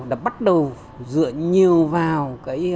đã bắt đầu dựa nhiều vào